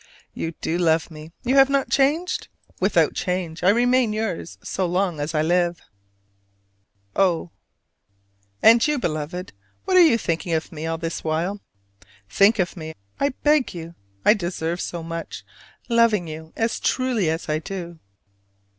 You do love me: you have not changed? Without change I remain yours so long as I live. O. And you, Beloved, what are you thinking of me all this while? Think well of me, I beg you: I deserve so much, loving you as truly as I do!